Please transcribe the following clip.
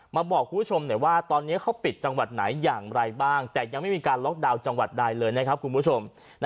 บอกคุณผู้ชมหน่อยว่าตอนนี้เขาปิดจังหวัดไหนอย่างไรบ้างแต่ยังไม่มีการล็อกดาวน์จังหวัดใดเลยนะครับคุณผู้ชม